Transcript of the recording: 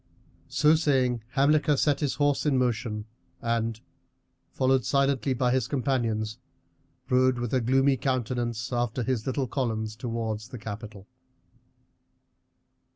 So saying Hamilcar set his horse in motion and, followed silently by his companions, rode with a gloomy countenance after his little columns towards the capital.